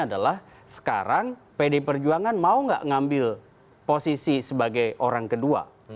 adalah sekarang pd perjuangan mau nggak ngambil posisi sebagai orang kedua